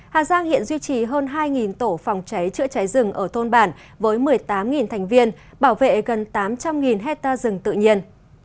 hà giang hiện duy trì hơn hai tổ phòng cháy chữa cháy rừng ở thôn bản với một mươi tám thành viên bảo vệ gần tám trăm linh hectare rừng tự nhiên